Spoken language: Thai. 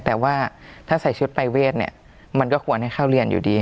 แต่ว่าถ้าใส่ชุดปรายเวทเนี่ยมันก็ควรให้เข้าเรียนอยู่ดี